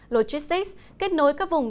logistics kết nối các vùng